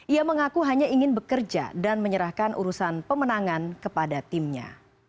ia mengaku hanya ingin bekerja dan menyerahkan urusan pemenangan kepada timnya